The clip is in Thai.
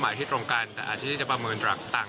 มาถึงนโยบายไหนแล้วครับคุณพิชาขออีกบาง